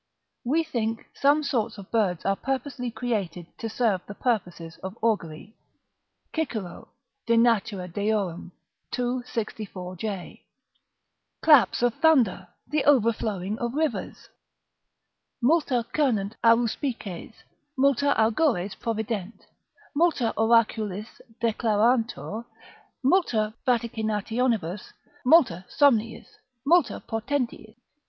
["We think some sorts of birds are purposely created to serve the purposes of augury." Cicero, De Natura Deor., ii. 64.] claps of thunder, the overflowing of rivers "Multa cernunt Aruspices, multa Augures provident, multa oraculis declarantur, multa vaticinationibus, multa somniis, multa portentis."